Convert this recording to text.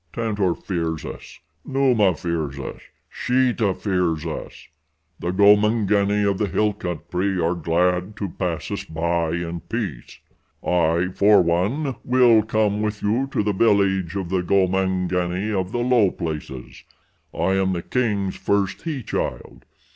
Tantor fears us. Numa fears us. Sheeta fears us. The Gomangani of the hill country are glad to pass us by in peace. I, for one, will come with you to the village of the Gomangani of the low places. I am the king's first he child.